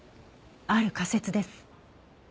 ある仮説です。